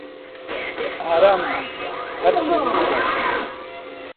ئارام بن، هەر چی ڕووبدات.